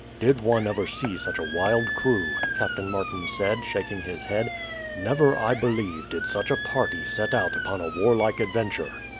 "Did one ever see such a wild crew?" Captain Martin said, shaking his head. "Never, I believe, did such a party set out upon a warlike adventure."